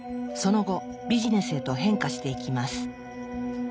その後ビジネスへと変化していきます。